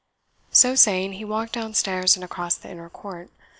So saying, he walked downstairs, and across the inner court.